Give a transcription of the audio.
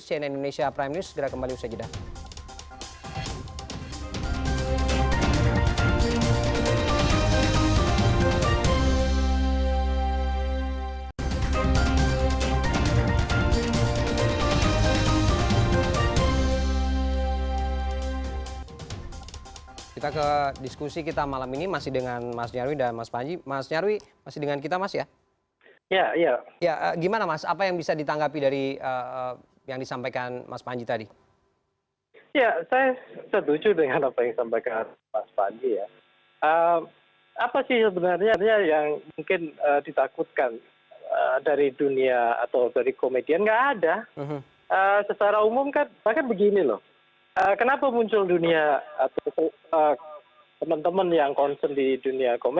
cn indonesia prime news segera kembali bersedia